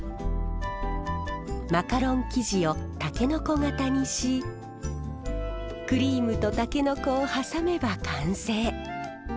マカロン生地をタケノコ形にしクリームとタケノコを挟めば完成。